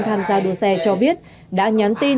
tham gia đua xe cho biết đã nhắn tin